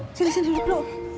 eh silahkan duduk dulu